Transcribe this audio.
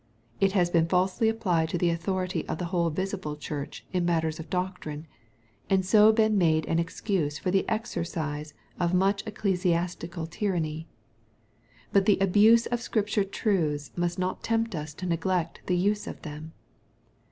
It has been falsely applied to the authority of the whole visible church in matters of doctrine^ and so been made an excuse for the exercise of much ecclesiastical tyranny. But the abuse of Scripture truths must not tempt us to neglect the use of them.